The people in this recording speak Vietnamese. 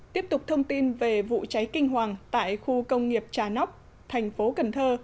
tiếp tục thông tin về vụ cháy kinh hoàng tại khu công nghiệp trà nóc thành phố cần thơ